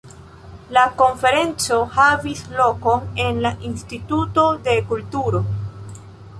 La konferenco havis lokon en la Instituto de Kulturo.